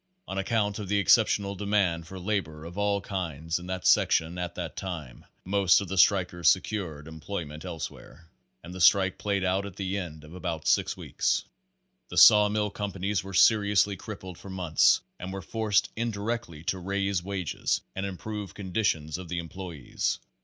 On account of the exceptional demand for labor of all kinds in that sec tion at that time, most of the strikers secured employ ment elsewhere, and the strike played out at the end of about six weeks. The saw mill companies were serious ly crippled for months, and were forced indirectly to raise wages and improve conditions of the employes.